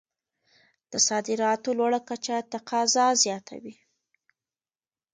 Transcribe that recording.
د صادراتو لوړه کچه تقاضا زیاتوي.